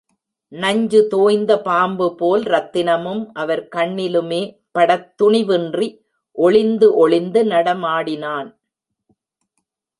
நஞ்சு தோய்ந்த பாம்புபோல் ரத்தினமும் அவர் கண்ணிலுமே படத் துணிவின்றி ஒளிந்து ஒளிந்து நடமாடினான்.